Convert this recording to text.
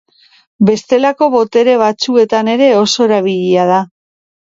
Bestelako botere batzuetan ere oso erabilia da.